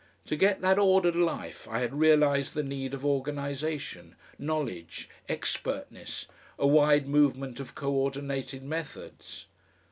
To get that ordered life I had realised the need of organisation, knowledge, expertness, a wide movement of co ordinated methods.